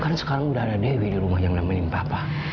kan sekarang udah ada dewi di rumah yang namanya papa